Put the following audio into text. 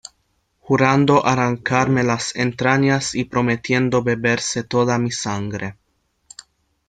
jurando arrancarme las entrañas y prometiendo beberse toda mi sangre.